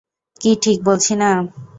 কী ঠিক বলছি না?